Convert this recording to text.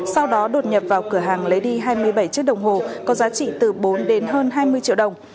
sau đó đột nhập vào cửa hàng lấy đi hai mươi bảy chiếc đồng hồ có giá trị từ bốn đến hơn hai mươi triệu đồng